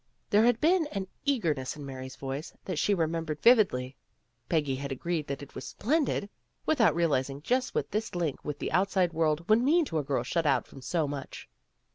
There had been an eager ness in Mary's voice that she remembered viv idly. Peggy had agreed that it was "splen did," without realizing just what this link with the outside world would mean to a girl shut out from so much.